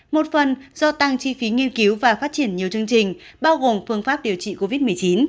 một phần do tăng chi phí nghiên cứu và phát triển nhiều chương trình bao gồm phương pháp điều trị covid một mươi chín